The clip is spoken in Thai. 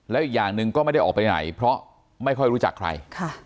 แล้วอีกอย่างหนึ่งก็ไม่ได้ออกไปไหนเพราะไม่ค่อยรู้จักใคร